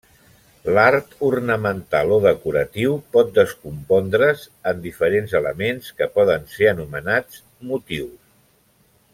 L'art ornamental o decoratiu pot descompondre's en diferents elements, que poden ser anomenats motius.